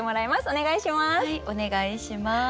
お願いします。